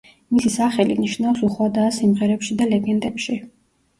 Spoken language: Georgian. მისი სახელი ნიშნავს „უხვადაა სიმღერებში და ლეგენდებში“.